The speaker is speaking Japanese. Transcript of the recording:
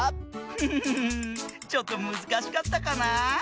フフフフちょっとむずかしかったかな？